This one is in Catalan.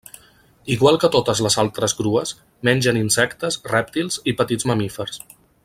Igual que totes les altres grues, mengen insectes, rèptils i petits mamífers.